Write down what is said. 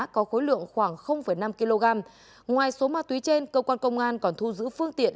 có khối lượng khoảng năm kg ngoài số ma túy trên cơ quan công an còn thu giữ phương tiện